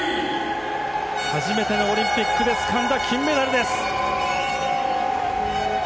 初めてのオリンピックでつかんだ金メダルです。